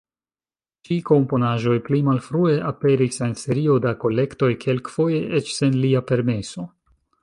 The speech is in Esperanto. Ĉi-komponaĵoj pli malfrue aperis en serio da kolektoj, kelkfoje eĉ sen lia permeso.